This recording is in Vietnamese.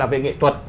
về nghệ thuật